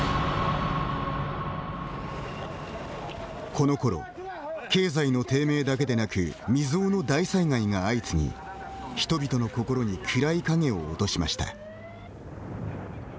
このころ経済の低迷だけでなく未曽有の大災害が相次ぎ人々の心に暗い影を落としました。